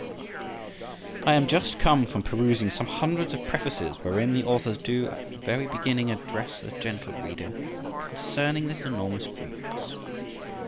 I am just come from perusing some hundreds of prefaces, wherein the authors do at the very beginning address the gentle reader concerning this enormous grievance.